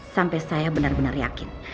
sampai saya benar benar yakin